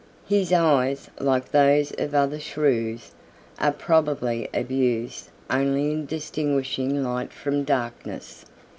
His eyes, like those of other Shrews, are probably of use only in distinguishing light from darkness.